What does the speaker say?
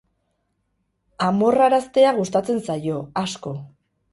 Amorraraztea gustatzen zaio, asko.